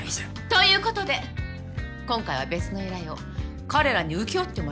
ということで今回は別の依頼を彼らに請け負ってもらいます。